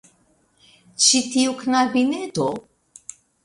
Ĉi tiu knabineto?